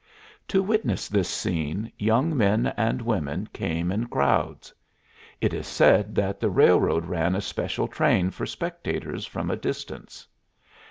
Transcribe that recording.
To witness this scene young men and women came in crowds. It is said that the railroad ran a special train for spectators from a distance.